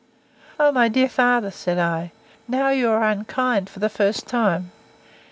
O, my dear father, said I, now you are unkind for the first time!